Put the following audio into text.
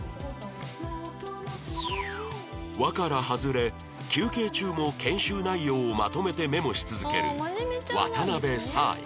輪から外れ休憩中も研修内容をまとめてメモし続ける渡辺サアヤ